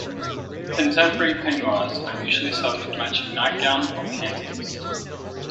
Contemporary peignoirs are usually sold with matching nightgown or panties.